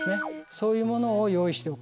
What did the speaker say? そういうものを用意しておくのが。